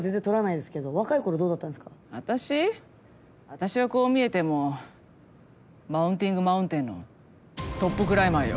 私はこう見えてもマウンティングマウンテンのトップクライマーよ。